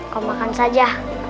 kau makan saja